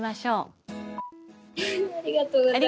ありがとうございます。